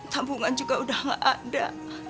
tabungan juga udah gak ada